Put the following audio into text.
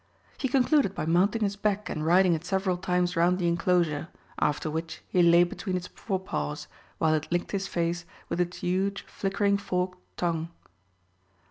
He concluded by mounting its back and riding it several times round the enclosure, after which he lay between its forepaws, while it licked his face with its huge flickering forked tongue.